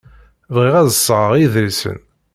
Bɣiɣ ad d-sɣeɣ idlisen.